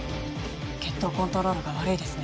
血糖コントロールが悪いですね